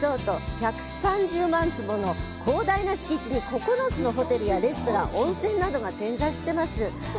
１３０万坪もの広大な敷地に９つのホテルやレストラン温泉などが点在しています。